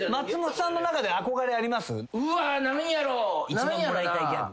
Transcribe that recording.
一番もらいたいギャグ。